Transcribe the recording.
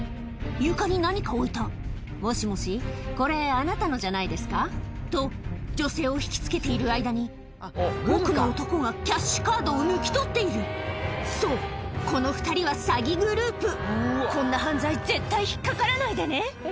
床に何か置いた「もしもしこれあなたのじゃないですか？」と女性を引きつけている間に奥の男がキャッシュカードを抜き取っているそうこの２人は詐欺グループこんな犯罪絶対引っかからないでね！